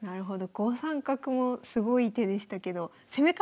５三角もすごい手でしたけど攻め方